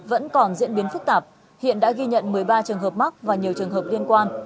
vẫn còn diễn biến phức tạp hiện đã ghi nhận một mươi ba trường hợp mắc và nhiều trường hợp liên quan